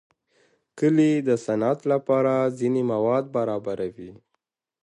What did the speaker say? کلي د صنعت لپاره ځینې مواد برابروي.